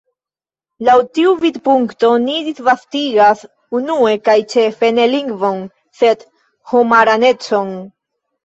Laŭ tiu vidpunkto, ni disvastigas unue kaj ĉefe ne lingvon, sed homaranecon.